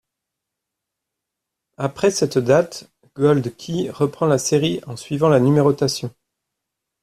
Après cette date, Gold Key reprend la série en suivant la numérotation.